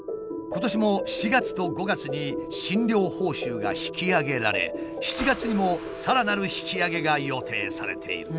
今年も４月と５月に診療報酬が引き上げられ７月にもさらなる引き上げが予定されている。